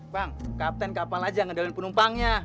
bang kapten kapal aja ngendalin penumpangnya